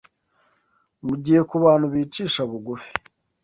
mu gihe ku bantu bicisha bugufi